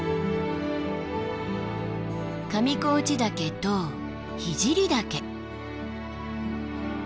上河内岳と聖岳。